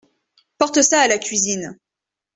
Porte ça à la cuisine.